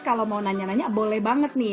kalau mau nanya nanya boleh banget nih